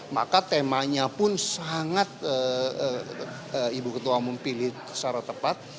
maka temanya pun sangat ibu ketua umum pilih secara tepat